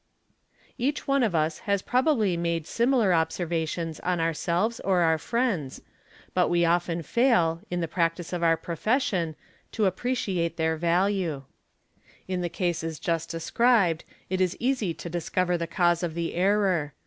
80 EXAMINATION OF WITNESSES Each one of us has probably made similar observations®" on our selves or our friends, but we often fail, in the practice of our profession, to appreciate their value. In the cases just described it is easy t discover the cause of the error.